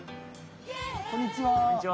こんにちは。